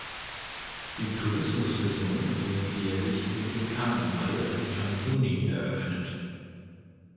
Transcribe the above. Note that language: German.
Die Tourismus-Saison wird jährlich mit dem Karneval Anfang Juni eröffnet.